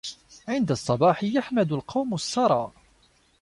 عند الصباح يحمد القوم السرى